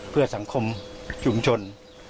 เพื่อสังคมชุมชน